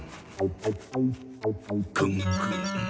クンクン。